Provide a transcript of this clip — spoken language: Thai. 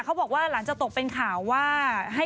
เขาบอกว่าหลังจากตกเป็นข่าวว่า